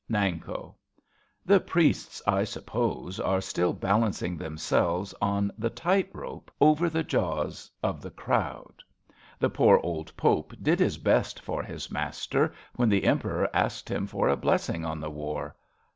Nanko. The priests, I suppose, are still balancing themselves on the tight rope, over the 15 RADA jaws of the crowd. The poor old Pope did his best for his Master, when the Emperor asked him for a blessing on the war.